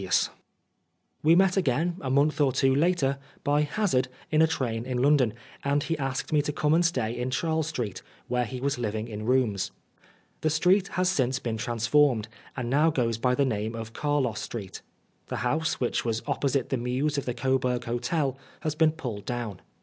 85 Oscar Wilde We met again, a month or two later, by hazard in a train in London, and he asked me to come and stay in Charles Street, where he was living in rooms. The street has since been transformed, and now goes by the name of Carlos Street. The house, which was oppo site the mews of the Coburg Hotel, has been pulled down.